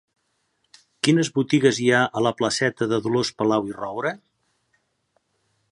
Quines botigues hi ha a la placeta de Dolors Palau i Roura?